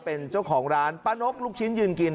เป็นเจ้าของร้านป้านกลูกชิ้นยืนกิน